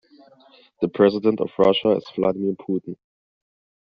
The president of Russia is Vladimir Putin.